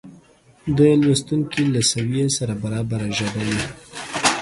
د لوستونکې له سویې سره برابره ژبه وي